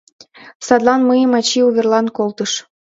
Садлан мыйым ачий уверлан колтыш.